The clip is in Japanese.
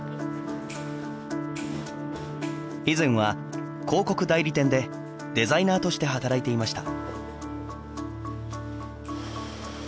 以前は広告代理店でデザイナーとして働いていました。